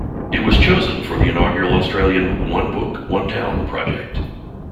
It was chosen for the inaugural Australian "One Book-One Town" project.